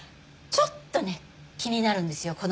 ちょっとね気になるんですよ。